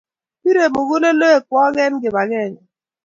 Pirei mugulelwekyok eng kipakenge